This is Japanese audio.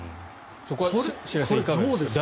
そこは白井さんいかがですか。